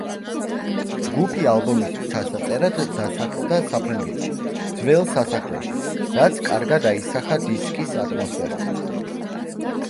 ჯგუფი ალბომის ჩასაწერად დასახლდა საფრანგეთში, ძველ სასახლეში, რაც კარგად აისახა დისკის ატმოსფეროზე.